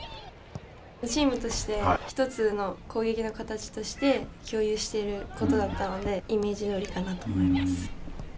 チームとして１つの攻撃の形として共有していることだったのでイメージどおりかなと思います。